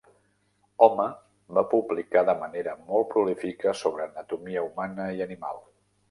Home va publicar de manera molt prolífica sobre anatomia humana i animal.